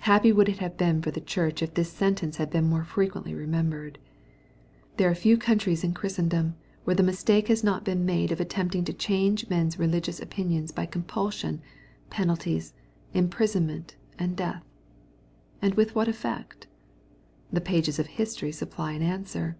Happy would it have been for the Church if this sentence had been ' more frequently remembered 1 There are few countries in Christendom, where the mistake has not been made of attempting to change men's religious opinions by compulsion, penalties, imprisonment, and death. And with what effect ? The pages of history supply an answer.